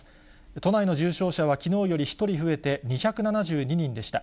都内の重症者はきのうより１人増えて、２７２人でした。